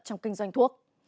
trong kinh doanh thuốc